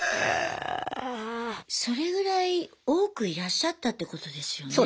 それぐらい多くいらっしゃったってことですよね。